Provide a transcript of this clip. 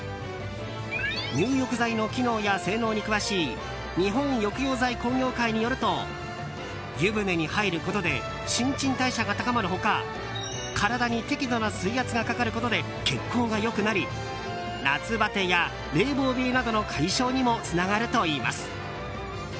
入浴剤の機能や性能に詳しい日本浴用剤工業会によると湯船に入ることで新陳代謝が高まる他体に適度な水圧がかかることで血行が良くなり夏バテや冷房冷えなどの解消にもつながるといいます。